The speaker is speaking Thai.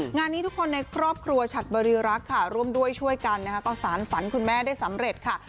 งานนี้ทุกคนในครอบครัวฉัดบริรักษ์ค่ะร่วมด้วยช่วยกันนะคะก็สารฝันคุณแม่ได้สำเร็จค่ะ